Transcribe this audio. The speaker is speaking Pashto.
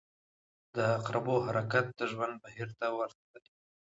• د عقربو حرکت د ژوند بهیر ته ورته دی.